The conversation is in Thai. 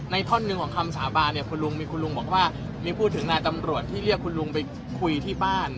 ท่อนหนึ่งของคำสาบานเนี่ยคุณลุงมีคุณลุงบอกว่ามีพูดถึงนายตำรวจที่เรียกคุณลุงไปคุยที่บ้าน